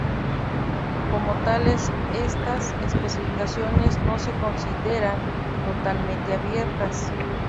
Como tales, estas especificaciones no se consideran totalmente abiertas.